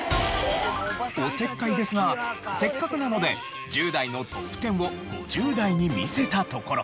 おせっかいですがせっかくなので１０代のトップ１０を５０代に見せたところ。